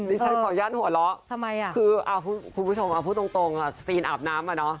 นี่ฉันขออนุญาตหัวเราะคือเอาคุณผู้ชมอ่ะพูดตรงอ่ะฟีนอาบน้ำอ่ะเนาะ